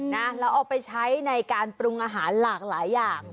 แล้วเอาไปใช้ในการปรุงอาหารหลากหลายอย่าง